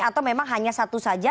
atau memang hanya satu saja